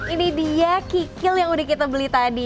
ini dia kikil yang udah kita beli tadi